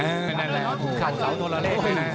เป็นแหละสุขเข่าเสาโตระเล็กเลยนะ